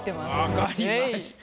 分かりました。